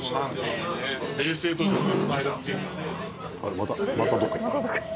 またまたどっか行った。